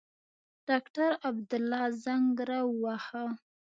ډاکټر عبدالله زنګ را ووهه.